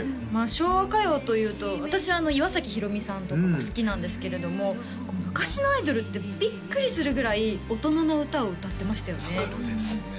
昭和歌謡というと私は岩崎宏美さんとかが好きなんですけれども昔のアイドルってビックリするぐらい大人の歌を歌ってましたよね分かるそうですね